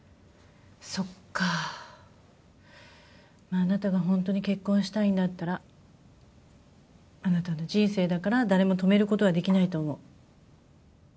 まああなたがホントに結婚したいんだったらあなたの人生だから誰も止めることはできないと思う。